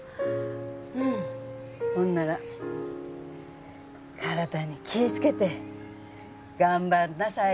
うんほんなら体に気いつけて頑張んなさい